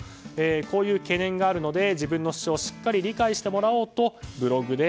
こういう懸念があるので自分の主張をしっかり理解してもらおうとブログで